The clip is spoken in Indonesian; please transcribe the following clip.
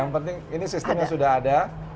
yang penting ini sistemnya sudah ada